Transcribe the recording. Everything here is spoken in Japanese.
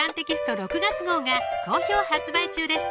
６月号が好評発売中です